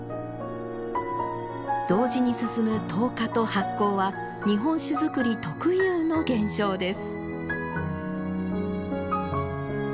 同時に進む糖化と発酵は日本酒造り特有の現象です